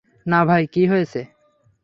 না ভাই, কী হয়েছে?